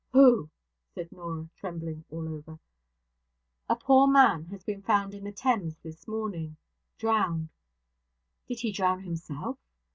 'Who?' said Norah, trembling all over. 'A poor man has been found in the Thames this morning drowned.' 'Did he drown himself?'